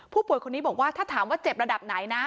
คนนี้บอกว่าถ้าถามว่าเจ็บระดับไหนนะ